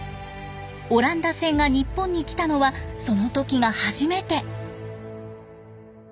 オランダ船が日本に来たのはその時が初めて。